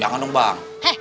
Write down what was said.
jangan dong bang